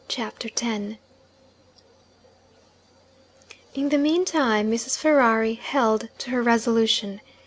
CHAPTER X In the mean time, Mrs. Ferrari held to her resolution.